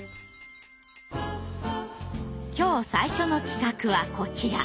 今日最初の企画はこちら。